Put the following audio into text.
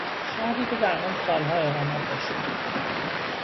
شهری که در آن سالها اقامت داشتم